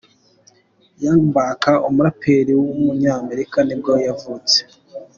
Young Buck, umuraperi w’umunyamerika nibwo yavutse.